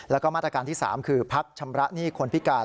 แล้วก็มาตรการที่๓คือพักชำระหนี้คนพิการ